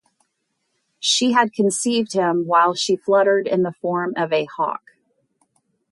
She had conceived him while she fluttered in the form of a hawk.